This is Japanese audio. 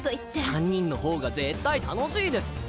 三人の方が絶対楽しいですって。